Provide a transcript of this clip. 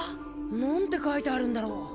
何て書いてあるんだろう？